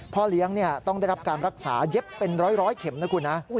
พ่อเลี้ยงต้องได้รับการรักษาเย็บเป็นร้อยเข็มนะคุณนะ